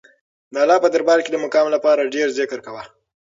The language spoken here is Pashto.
د الله په دربار کې د مقام لپاره ډېر ذکر کوه.